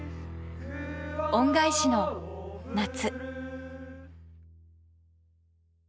恩返しの夏。